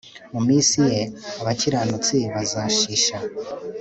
mu minsi ye, abakiranutsi bazashisha